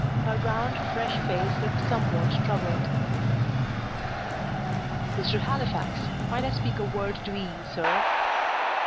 Her round, fresh face looked somewhat troubled. "Mr. Halifax, might I speak a word to 'ee, sir?"